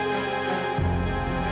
tante kita harus berhenti